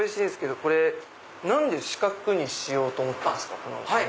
何で四角にしようと思ったんですか？